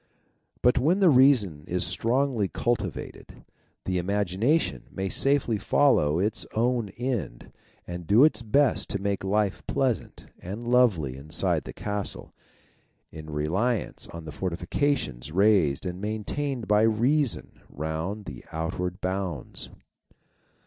But when the reason is strongly cul o J tivated, the imagination may safely follow its own end, and do its best to make life pleasant and lovely inside the castle, in reliance on the fortifications raised and maintained by Reason round the outward bounds.